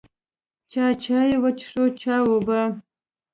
چا چای وڅښو، چا اوبه.